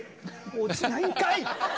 落ちないんかい！